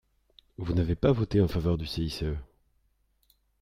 Vous n’avez pas voté en faveur du CICE